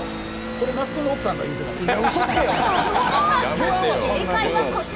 これ、那須君の奥さんが言ってたんです。